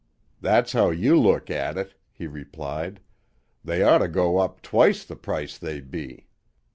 "That's how you look at it," he replied. "They oughter go up twice the price they be.